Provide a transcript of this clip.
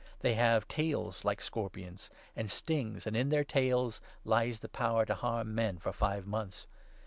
They 10 have tails like scorpions, and stings, and in their tails lies their power to harm men for five months.